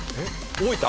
大分。